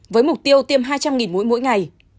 với mục tiêu tiêm hai trăm linh mũi mỗi ngày